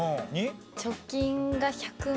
貯金が１００万。